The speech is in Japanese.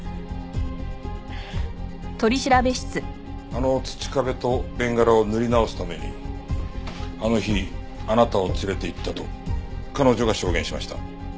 あの土壁とベンガラを塗り直すためにあの日あなたを連れて行ったと彼女が証言しました。